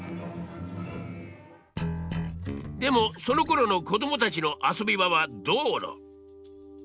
でもそのころの子供たちの遊び場は道路。